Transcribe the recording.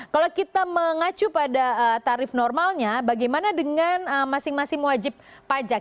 kalau kita mengacu pada tarif normalnya bagaimana dengan masing masing wajib pajak